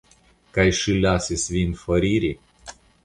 Kaj ŝi lasis vin foriri?